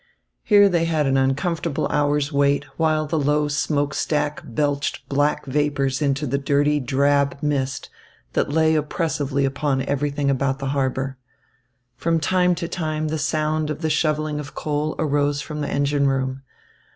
Here they had an uncomfortable hour's wait, while the low smoke stack belched black vapours into the dirty drab mist that lay oppressively upon everything about the harbour. From time to time the sound of the shovelling of coal arose from the engine room.